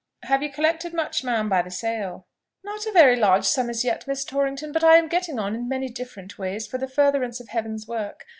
"Have you collected much, ma'am, by the sale?" "Not a very large sum as yet, Miss Torrington; but I am getting on in many different ways for the furtherance of Heaven's work.